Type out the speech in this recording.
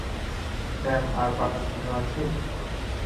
Sam, আমার কথা শুনতে পাচ্ছিস?